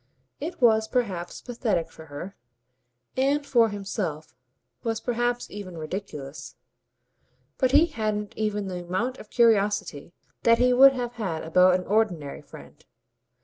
It was perhaps pathetic for her, and for himself was perhaps even ridiculous; but he hadn't even the amount of curiosity that he would have had about an ordinary friend.